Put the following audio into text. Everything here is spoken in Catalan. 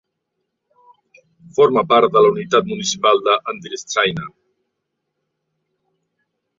Forma part de la unitat municipal d'Andritsaina.